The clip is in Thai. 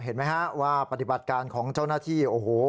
เห็นไหมฮะว่าปฏิบัติการของเจ้าหน้าที่โอ้โห